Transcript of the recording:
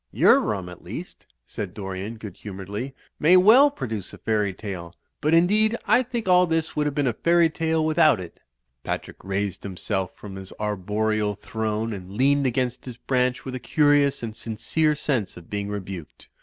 "Your rum at least," said Dorian, good humouredly, "may well produce a fairy tale. But, indeed, I think all this would have been a fairy tale without it." Patrick raised himself from his arboreal throne, and leaned against his branch with a curious and sin cere sense of being rebuked.